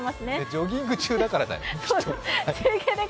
ジョギング中だからだよ、きっと。